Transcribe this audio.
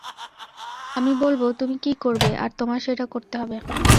আমি বলবো তুমি কি করবে, আর তোমার সেটা করতে হবে।